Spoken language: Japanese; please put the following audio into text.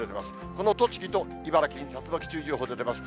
この栃木と茨城に竜巻注意情報出てます。